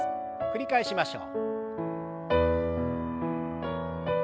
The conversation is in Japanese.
繰り返しましょう。